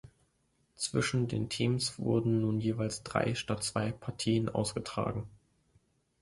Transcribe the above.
Zwischen den Teams wurden nun jeweils drei statt zwei Partien ausgetragen.